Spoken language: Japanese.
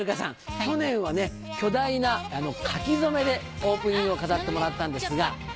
去年はね巨大な書き初めでオープニングを飾ってもらったんですが。